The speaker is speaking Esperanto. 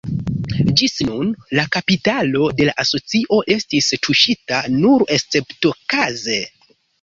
Ĝis nun la kapitalo de la asocio estis tuŝita nur esceptokaze.